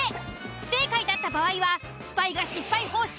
不正解だった場合はスパイが失敗報酬